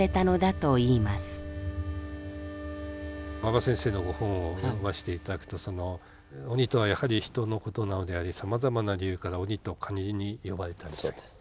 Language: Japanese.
馬場先生のご本を読ませて頂くと「鬼とはやはり人のことなのでありさまざまな理由から『鬼』と仮によばれたに過ぎない」。